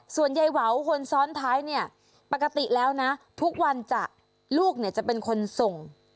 ส่วนยายเหวาคนซ้อนท้ายเนี่ยปกติแล้วนะทุกวันจะลูกเนี่ยจะเป็นคนส่ง